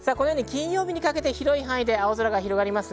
金曜日にかけて広い範囲で青空が広がりそうです。